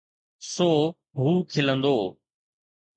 سو هو کلندو.